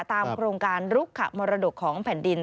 โครงการลุกขมรดกของแผ่นดิน